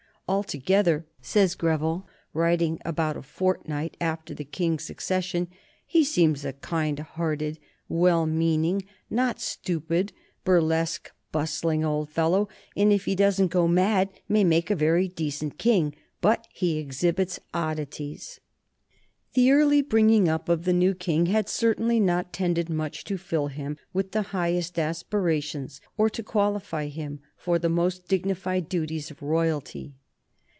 "Altogether," says Greville, writing about a fortnight after the King's accession, "he seems a kind hearted, well meaning, not stupid, burlesque, bustling old fellow, and if he doesn't go mad may make a very decent king, but he exhibits oddities." The early bringing up of the new King had certainly not tended much to fill him with the highest aspirations or to qualify him for the most dignified duties of royalty.